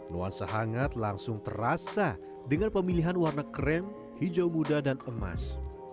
nuansa hangat langsung terasa dengan pemilihan warna krem hijau muda dan emas